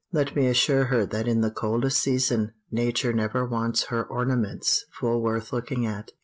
Let me assure her that in the coldest season Nature never wants her ornaments full worth looking at.